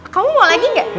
kamu mau lagi gak